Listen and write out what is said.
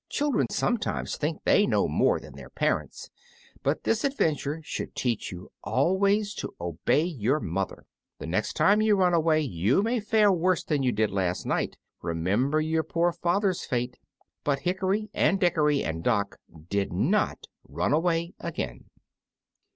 Children sometimes think they know more than their parents, but this adventure should teach you always to obey your mother. The next time you run away you may fare worse than you did last night; remember your poor father's fate." But Hickory and Dickory and Dock did not run away again.